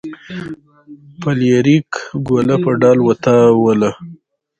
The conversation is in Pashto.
فلیریک ګوله په ډال وتاوله.